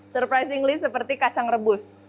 surprisingly seperti kacang rebus